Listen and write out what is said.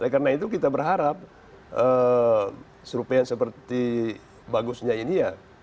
karena itu kita berharap surupai yang seperti bagusnya ini ya